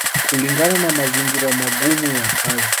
kulingana na mazingira magumu ya kazi